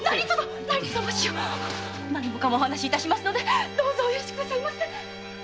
何もかもお話し致しますのでどうかお許しくださいませ。